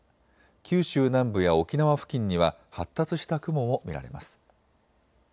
九州南部や沖縄付近には発達した雲も見られます。